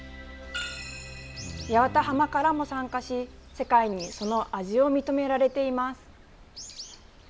八幡浜からも参加し世界にその味を認められています。